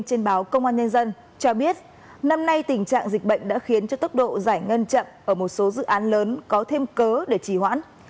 trên báo công an nhân dân cho biết năm nay tình trạng dịch bệnh đã khiến cho tốc độ giải ngân chậm ở một số dự án lớn có thêm cớ để trì hoãn